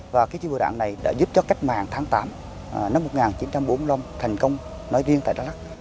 và cái chi bộ đảng này đã giúp cho cách mạng tháng tám năm một nghìn chín trăm bốn mươi năm thành công nói riêng tại đắk lắc